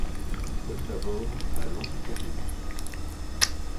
Il collabore à l'Encyclopédie.